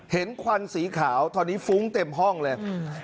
ควันสีขาวตอนนี้ฟุ้งเต็มห้องเลย